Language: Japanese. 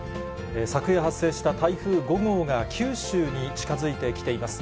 昨夜発生した台風５号が九州に近づいてきています。